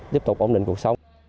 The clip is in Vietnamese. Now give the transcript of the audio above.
tiếp tục ổn định cuộc sống